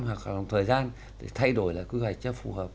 hoặc hàng thời gian thay đổi là quy hoạch chấp phù hợp